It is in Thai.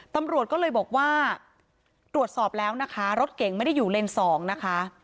ตำรวจก็เลยบอกว่าตรวจสอบแล้วนะคะรถเก่งไม่ได้อยู่เลนส์๒นะคะ